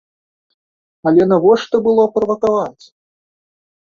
Але навошта было правакаваць?